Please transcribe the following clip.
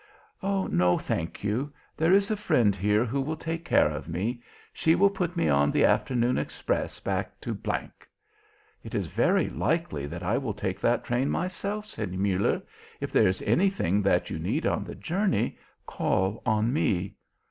"No, thank you. There is a friend here who will take care of me. She will put me on the afternoon express back to G ." "It is very likely that I will take that train myself," said Muller. "If there is anything that you need on the journey, call on me."